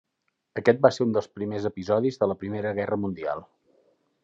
Aquest va ser un dels primers episodis de la Primera Guerra Mundial.